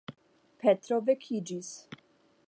Petro vekiĝis.